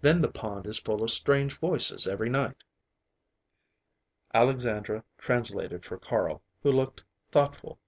Then the pond is full of strange voices every night." Alexandra translated for Carl, who looked thoughtful.